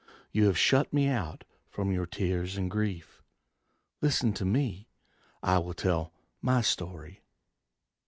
You have shut me out from your tears and grief, Listen to me, I will tell my story.